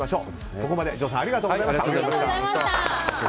ここまで城さんありがとうございました。